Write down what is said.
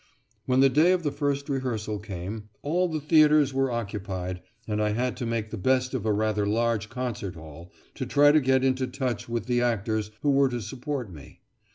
When the day of the first rehearsal came, all the theatres were occupied, and I had to make the best of a rather large concert hall to try to get into touch with the actors who were to support me.